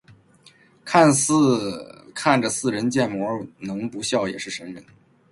看着似人建模能不笑也是神人